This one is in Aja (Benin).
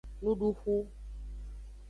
Nuduxu.